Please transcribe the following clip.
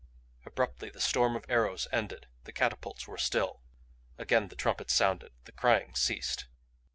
Abruptly the storm of arrows ended; the catapults were still. Again the trumpets sounded; the crying ceased.